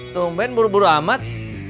tungguin buru buru amat